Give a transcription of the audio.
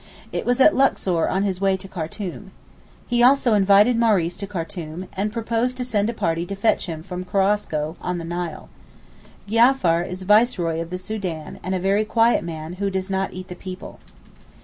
It was at Luxor on his way to Khartoum. He also invited Maurice to Khartoum, and proposed to send a party to fetch him from Korosko, on the Nile. Giafar is Viceroy of the Soudan, and a very quiet man, who does not 'eat the people.